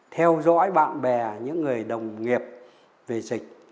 theo dõi bạn bè những người đồng nghiệp về dịch